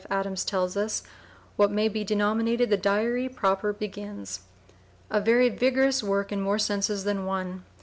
Adams tells us, "what may be denominated the diary proper begins," a very vigorous work in more senses than one.